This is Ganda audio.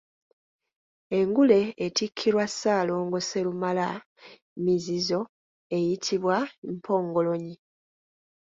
Engule etikkirwa Ssaalongo Sserumala mizizo eyitibwa Mpongolonyi.